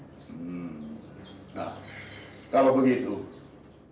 menyinggung soal ganda anak juragan